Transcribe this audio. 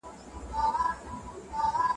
اقتصادي وده د ټولو په خیر ده.